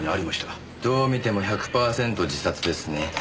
どう見ても１００パーセント自殺ですね。